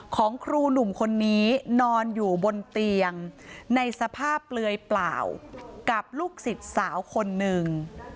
ของครูหนุ่มคนนี้นอนอยู่บนเตียงในสภาพเปลือยเปล่ากับลูกศิษย์สาวคนหนึ่ง